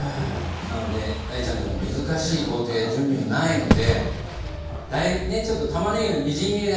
なので大ちゃんでも難しい工程や準備もないのでちょっとたまねぎのみじん切りだけ頑張ってもらって。